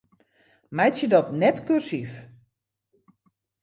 Meitsje dat net kursyf.